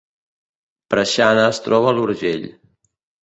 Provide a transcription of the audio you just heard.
Preixana es troba a l’Urgell